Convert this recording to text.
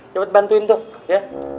cepet bantuin tuh ya